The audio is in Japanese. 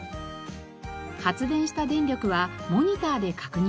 発電した電力はモニターで確認できます。